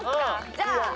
じゃあ。